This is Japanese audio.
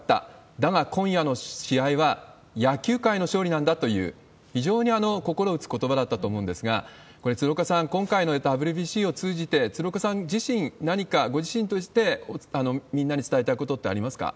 だが、今夜の試合は野球界の勝利なんだという、非常に心打つことばだったと思うんですが、これ、鶴岡さん、今回のＷＢＣを通じて、鶴岡さん自身、何かご自身として、みんなに伝えたいことってありますか？